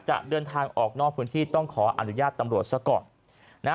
จะเดินทางออกนอกพื้นที่ต้องขออนุญาตตำรวจซะก่อนนะฮะ